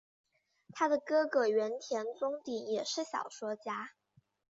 她的哥哥原田宗典也是小说家。